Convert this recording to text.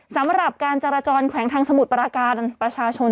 สำหรับการจราจรแขวงทางสมุทรปราการประชาชน